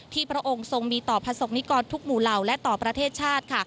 พระองค์ทรงมีต่อประสบนิกรทุกหมู่เหล่าและต่อประเทศชาติค่ะ